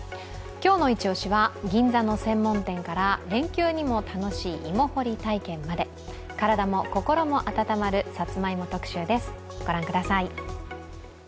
今日の一押しは銀座の専門店から連休にも楽しい芋掘り体験まで体も心も温まるさつまいも特集です、ご覧ください。